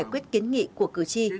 giải quyết kiến nghị của cử tri